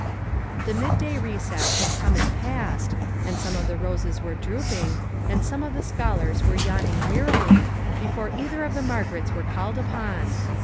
The midday recess had come and passed, and some of the roses were drooping, and some of the scholars were yawning wearily, before either of the Margarets were called upon.